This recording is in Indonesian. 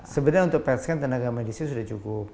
sebenarnya untuk pet scan tenaga medisnya sudah cukup